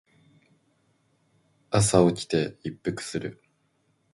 I'm so interested because of it.